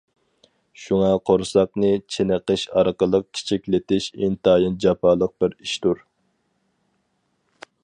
شۇڭا قورساقنى چېنىقىش ئارقىلىق كىچىكلىتىش ئىنتايىن جاپالىق بىر ئىشتۇر.